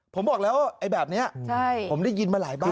ผมบอกแล้วไอ้แบบนี้ผมได้ยินมาหลายบ้าน